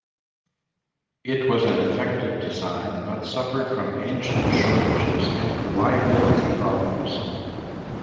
It was an effective design, but suffered from engine shortages and reliability problems.